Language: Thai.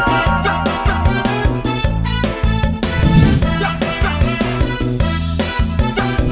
คิดถึงเธอแทบใจจังครับ